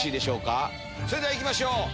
それでは行きましょう！